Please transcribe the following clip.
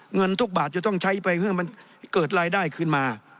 เงินทุกบาทจะต้องใช้ไปเพื่อมันเกิดรายได้ขึ้นมา